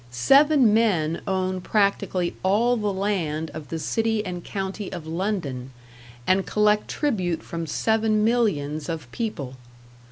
Seven men own practically all the land of the city and county of London, and collect tribute from seven millions of people.